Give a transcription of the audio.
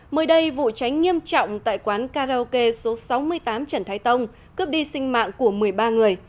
mới đây vụ cháy nghiêm trọng tại quán karaoke số sáu mươi tám trần thái tông cướp đi sinh mạng của một mươi ba người